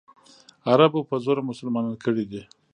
عربو په زوره مسلمانان کړي دي.